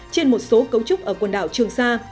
trên một số cấu trúc ở quần đảo trường sa